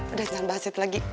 udah jangan bahas itu lagi